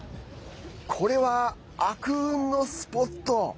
これは悪運のスポット。